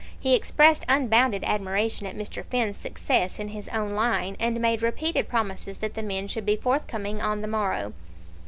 He expressed unbounded admiration at Mr. Finn's success in his own line, and made repeated promises that the men should be forthcoming on the morrow.